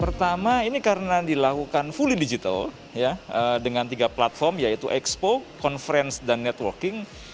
pertama ini karena dilakukan fully digital dengan tiga platform yaitu expo conference dan networking